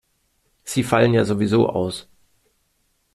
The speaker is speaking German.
Sie fallen ja sowieso aus.